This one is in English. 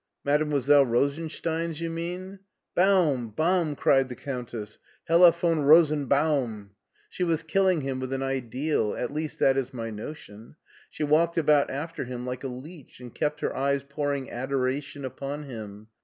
Mademoiselle Rosenstein's, you mean?" Baum i Baum !" cried the Countess ;" Hella von Rosenbaum. She was killing him with an ideal, at least that is my notion. She walked about after him like a leech and kept her eyes pouring adoration upon him.